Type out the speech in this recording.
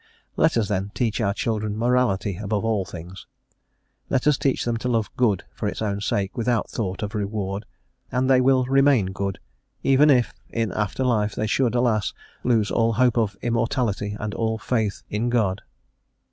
Let us, then, teach our children morality above all things. Let us teach them to love good for its own sake, without thought of reward, and they will remain good, even if, in after life, they should, alas! lose all hope of immortality and all faith hi God.